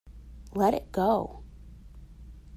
Let it go.